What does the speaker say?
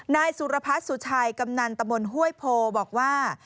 นายสุรพัฒน์สุชัยกำนันตะมนต์ห้วยโพบอกว่า